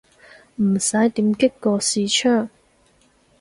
唔使點擊個視窗